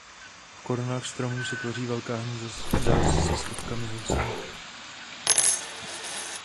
V korunách stromů se tvoří velká hnízda se stovkami housenek.